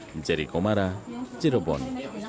mencari komara cirebon